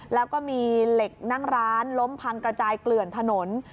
แล้วก็มีเหล็กนั่งร้านล้มพังกระจายเกลื่อนถนน